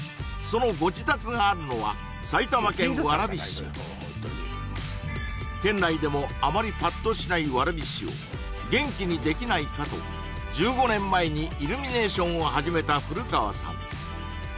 そのご自宅があるのは県内でもあまりパッとしない蕨市を元気にできないかと１５年前にイルミネーションを始めた古川さん